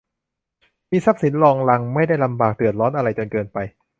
มีสินทรัพย์รองรังไม่ได้ลำบากเดือดร้อนอะไรจนเกินไป